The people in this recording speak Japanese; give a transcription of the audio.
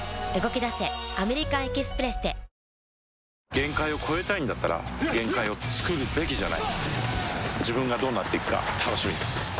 限界を越えたいんだったら限界をつくるべきじゃない自分がどうなっていくか楽しみです